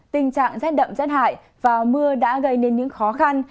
tình trạng rét đậm rét hại và mưa đã gây nên những khó khăn